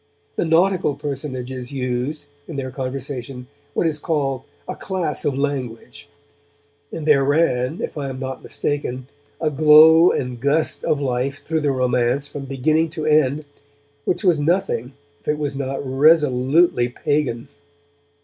The nautical personages used, in their conversations, what is called 'a class of language', and there ran, if I am not mistaken, a glow and gust of life through the romance from beginning to end which was nothing if it was not resolutely pagan.